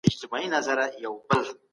کابینه مالي مرسته نه کموي.